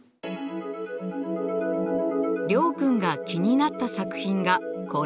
諒君が気になった作品がこれ。